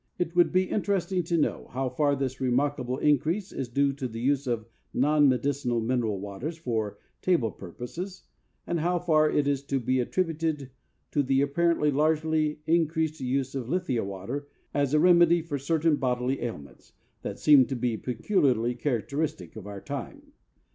It would be interesting to know how far this remarkable increase is due to the use of non medicinal mineral waters for table pur poses, and how far it is to be attributed to the apparently largely increased use of lithia Avater as a remedy for certain bodily ail ments that seem to be peculiarly characteristic of our time.